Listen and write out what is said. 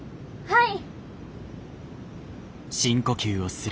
はい。